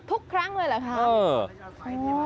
ทุกครั้งเลยเหรอคะ